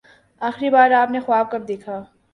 آخری بار آپ نے خواب کب دیکھا؟